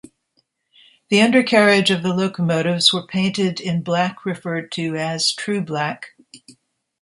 The undercarriage of the locomotives were painted in black referred to as True Black.